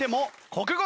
国語！